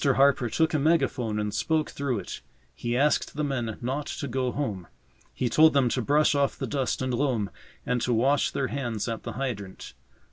Harper took a megaphone and spoke through it. He asked the men not to go home. He told them to brush off the dust and loam and to wash their hands at the hydrant.